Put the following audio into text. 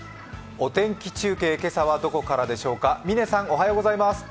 お天気中継、今朝はどこからでしょうか。